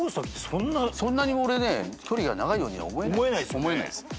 そんなに俺ね距離が長いようには思えないです。